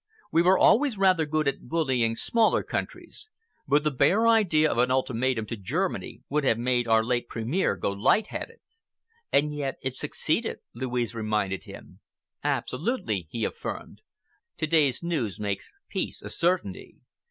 We were always rather good at bullying smaller countries, but the bare idea of an ultimatum to Germany would have made our late Premier go lightheaded." "And yet it succeeded," Louise reminded him. "Absolutely," he affirmed. "To day's news makes peace a certainty.